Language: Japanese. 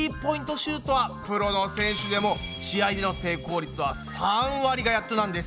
シュートはプロの選手でも試合での成功率は３割がやっとなんです。